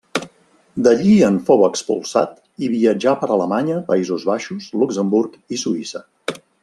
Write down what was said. D'allí en fou expulsat i viatjà per Alemanya, Països Baixos, Luxemburg i Suïssa.